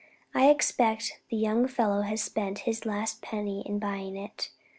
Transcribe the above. I expect the young fellow has spent his last penny in buying it.